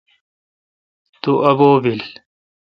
تو ابو° بیلہ۔